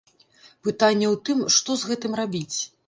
Пытанне ў тым, што з гэтым рабіць.